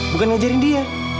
bukan ngajarin dia